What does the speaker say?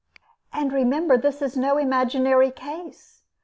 And remember this is no imaginary case.